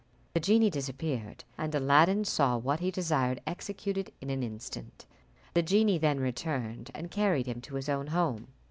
The genie disappeared, and Aladdin saw what he desired executed in an instant. The genie then returned, and carried him to his own home.